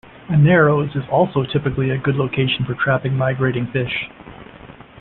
A narrows is also typically a good location for trapping migrating fish.